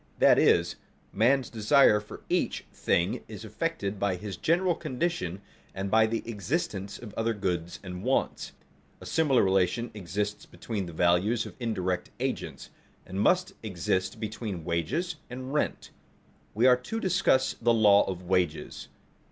That is, man's desire for each thing is affected by his general condition and by the existence of other goods and wants. A similar relation exists between the values of indirect agents, and must exist between wages and rent. We are to discuss the law of wages.